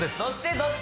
どっち？